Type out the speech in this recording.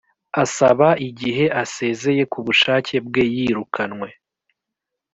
Asaba igihe asezeye ku bushake bwe yirukanwe